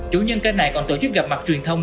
chủ nhân kênh này còn tổ chức gặp mặt truyền thông